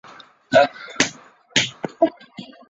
正教会中也采用这种仪式。